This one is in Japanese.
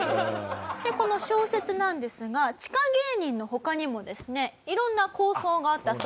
でこの小説なんですが『地下芸人』の他にもですね色んな構想があったそうなんですね。